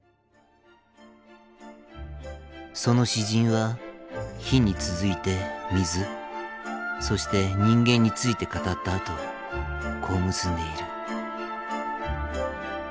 その詩人は火に続いて水そして人間について語ったあとこう結んでいる。